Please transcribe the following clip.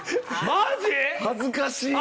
恥ずかしい！